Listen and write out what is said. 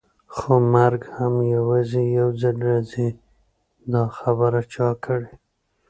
خو مرګ هم یوازې یو ځل راځي، دا خبره چا کړې؟